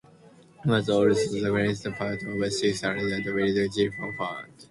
He was also the principal patron of the satirist and journalist William Gifford.